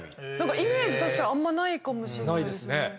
イメージ確かにあんまないかもしんないですね。